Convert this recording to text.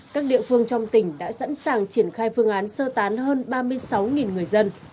các địa phương trong tỉnh đã sẵn sàng triển khai phương án sơ tán hơn ba mươi sáu người dân